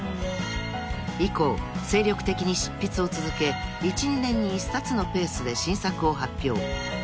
［以降精力的に執筆を続け１２年に１冊のペースで新作を発表］